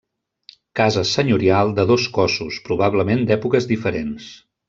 Casa senyorial de dos cossos, probablement d'èpoques diferents.